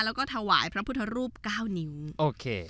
แล้วก็ถวายพระพุทธรูปเก้านิ้วโอเค